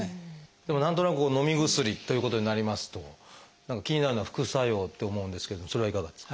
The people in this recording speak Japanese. でも何となくのみ薬ということになりますと気になるのは副作用って思うんですけどもそれはいかがですか？